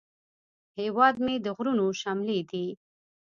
هیواد مې د غرونو شملې دي